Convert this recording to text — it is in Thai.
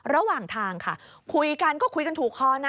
ระหว่างทางค่ะคุยกันก็คุยกันถูกคอนะ